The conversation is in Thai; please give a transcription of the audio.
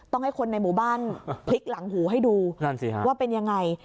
ต้องให้คนในหมู่บ้านพลิกหลังหูให้ดูว่าเป็นยังไง